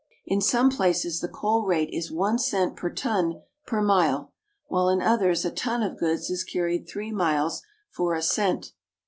In some places the coal rate is one cent per ton per mile, while in others a ton of goods is carried three, miles for a cent.